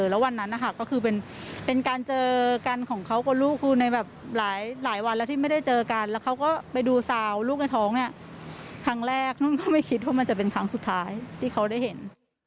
แล้ววันนั้นนะคะก็คือเป็นการเจอกันของเขากับลูกคือในแบบหลายวันแล้วที่ไม่ได้เจอกันแล้วเขาก็ไปดูซาวลูกในท้องเนี่ยครั้งแรกนู่นก็ไม่คิดว่ามันจะเป็นครั้งสุดท้ายที่เขาได้เห็น